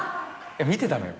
見てたのよ。